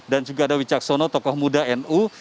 dan juga ada wicaksono tokoh muda nu